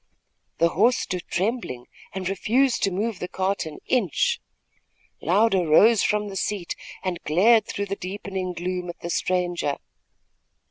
The horse stood trembling and refused to move the cart an inch. Louder rose from the seat and glared through the deepening gloom at the stranger.